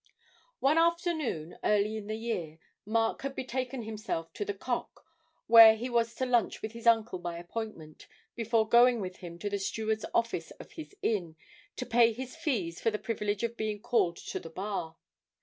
One afternoon, early in the year, Mark had betaken himself to the 'Cock,' where he was to lunch with his uncle by appointment before going with him to the steward's office of his Inn to pay his fees for the privilege of being called to the Bar.